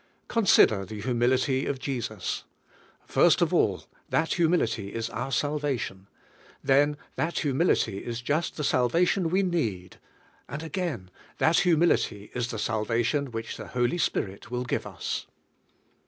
Consider the humility of Jesus. First of all, that humility is our salvation; then, that humility is just the salvation we need; and again, that humility is the salvation which the Holy Spirit will give us.